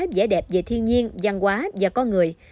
dễ đẹp về thiên nhiên văn hóa và có người